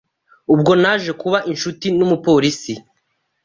ubwo naje kuba inshuti n’umupolisi